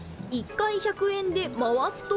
１回１００円で回すと。